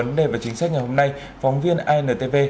trong một vấn đề về chính sách ngày hôm nay phóng viên antv